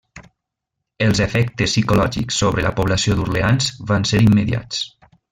Els efectes psicològics sobre la població d'Orleans van ser immediats.